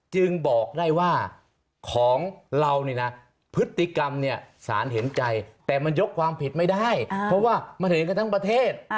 จึงบอกได้ว่าของเรานี่นะพฤติกรรมเนี่ยสารเห็นใจแต่มันยกความผิดไม่ได้เพราะว่ามันเห็นกันทั้งประเทศ